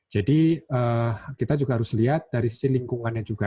jadi kita juga harus lihat dari sisi lingkungannya juga